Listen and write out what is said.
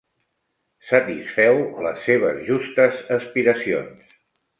Satisfeu les seves justes aspiracions.